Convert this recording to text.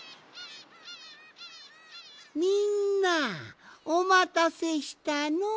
みんなおまたせしたのう。